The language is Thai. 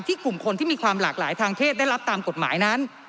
กลุ่มคนที่มีความหลากหลายทางเพศได้รับตามกฎหมายนั้น